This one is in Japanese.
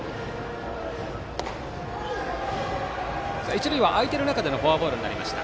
一塁は空いてる中でのフォアボールとなりました。